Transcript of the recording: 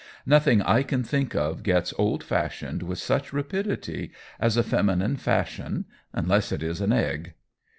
Nothing I can think of gets old fashioned with such rapidity as a feminine fashion unless it is an egg.